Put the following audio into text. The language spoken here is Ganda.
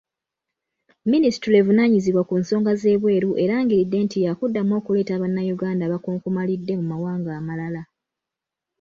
Minisitule evunaanyizibwa ku nsonga z'ebweru erangiridde nti yaakuddamu okuleeta bannayuganda abakonkomalidde mu mawanga amalala.